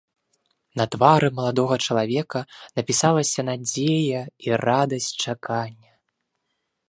На твары маладога чалавека напісалася надзея і радасць чакання.